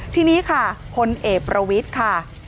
ทีนี้ค่ะพลเอกประวิทย์ค่ะ